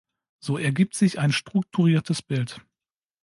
So ergibt sich ein strukturiertes Bild.